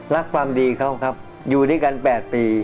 รักความดีเขาครับอยู่ด้วยกัน๘ปี